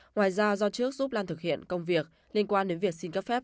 ngoài ra do trước giúp lan thực hiện công việc liên quan đến việc xin cấp phép